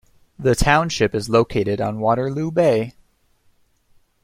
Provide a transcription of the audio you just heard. The township is located on Waterloo Bay.